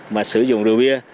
mà sử dụng rượu bia